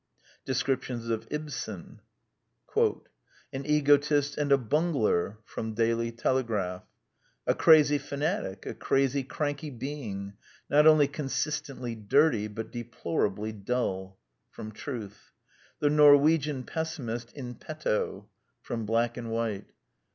Descriptions of Ibsen " An egotist and a bungler." Daily Telegraph. "A crazy fanatic. ... A crazy, cranky being. ... Not only consistently dirty but deplorably dull." Truth. " The Norwegian pessimist in petto'' [sic^. Black and White.